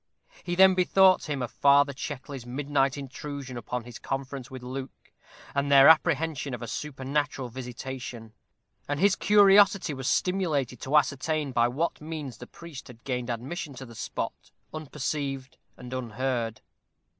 He then bethought him of Father Checkley's midnight intrusion upon his conference with Luke, and their apprehension of a supernatural visitation, and his curiosity was stimulated to ascertain by what means the priest had gained admission to the spot unperceived and unheard.